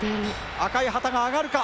赤い旗が上がるか。